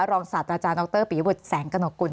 รองสัตว์อาจารย์นปีวุฒิแสงกระหนกกุล